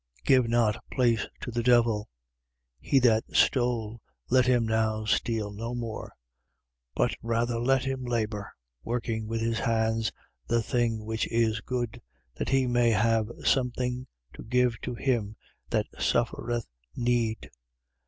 4:27. Give not place to the devil. 4:28. He that stole, let him now steal no more: but rather let him labour, working with his hands the thing which is good, that he may have something to give to him that suffereth need.